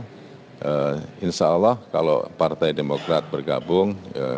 jadi insya allah kalau partai demokrat bergabung